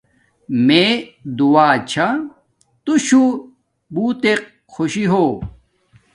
مے دعا چھا تو شو بوتک خوشی ہو